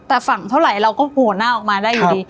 แต่ฝั่งเท่าไหร่เราก็โผล่หน้าออกมาได้อยู่ดี